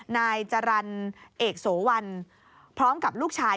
นายจรรย์เอกโสวันพร้อมกับลูกชาย